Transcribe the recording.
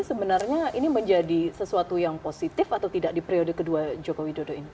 sebenarnya ini menjadi sesuatu yang positif atau tidak di periode kedua jokowi dodo ini